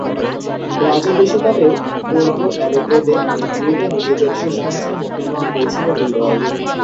Brazil বিশ্বকাপেও পোর্তো অ্যালেগ্রেতে গ্রুপে নিজেদের শেষ ম্যাচে মুখোমুখি হয়েছিল দুই দল।